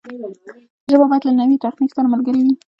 ژبه باید له نوي تخنیک سره ملګرې وي.